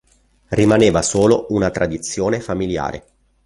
Rimaneva solo una tradizione familiare.